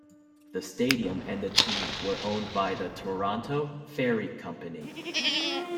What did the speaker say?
The stadium and the team were owned by the Toronto Ferry Company.